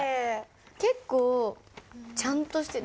結構ちゃんとしてる。